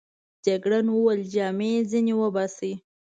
جګړن وویل: جامې يې ځینې وباسئ.